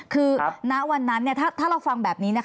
คือณวันนั้นถ้าเราฟังแบบนี้